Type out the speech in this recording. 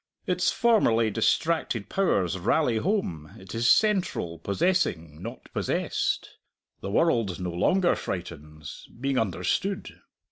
Its formerly distracted powers rally home; it is central, possessing, not possessed. The world no longer frightens, being understood.